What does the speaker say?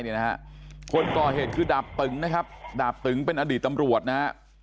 คนก่อเหตุคือดาบตึงนะครับดาบตึงเป็นอดีตตำรวจนะฮะ